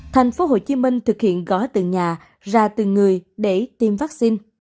thành phố hồ chí minh thực hiện gói từ nhà ra từ người để tiêm vaccine